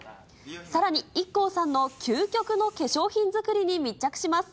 さらに、ＩＫＫＯさんの究極の化粧品作りに密着します。